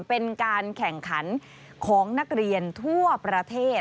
เป็นการแข่งขันของนักเรียนทั่วประเทศ